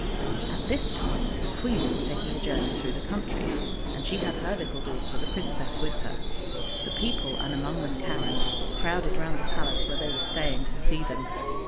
At this time the queen was taking a journey through the country, and she had her little daughter the princess with her. The people, and among them Karen, crowded round the palace where they were staying, to see them.